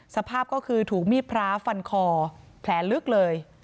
สภาพก็คือถูกมีดพระฟันคอแผลลึกเลย